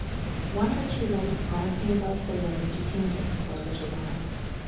One or two lights glancing about below detained us for a little while.